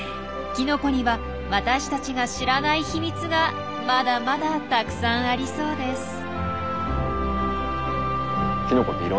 キノコには私たちが知らないひみつがまだまだたくさんありそうです。